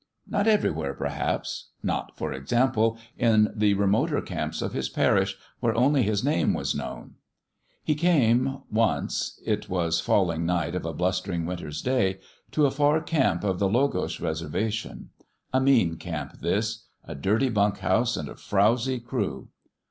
Not everywhere, perhaps : not, for example, in the remoter camps of his parish, where only his name was known. He came, once it was falling night of a blustering winter's day to a far camp of the Logosh Reservation. A mean camp, this : a dirty bunk house and a frowzy crew.